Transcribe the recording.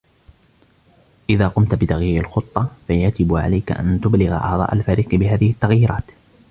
إذا قمت بتغيير الخطة ، فيجب عليك أن تبلغ أعضاء الفريق بهذه التغييرات.